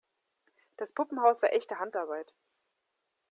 Das Puppenhaus war echte Handarbeit.